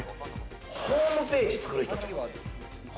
ホームページ作る人ちゃう？